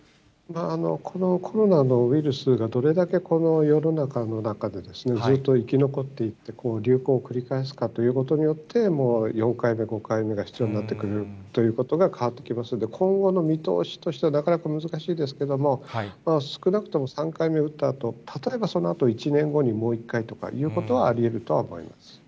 このコロナのウイルスがどれだけこの世の中の中でですね、ずーっと生き残っていって、流行を繰り返すかということによって、４回目、５回目が必要になってくるということが変わってきますので、今後の見通しとしては、なかなか難しいですけども、少なくとも３回目打ったあと、例えばそのあと、１年後にもう１回とかいうことはありえるとは思います。